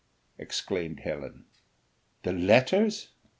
exclaimed Helen; "the letters!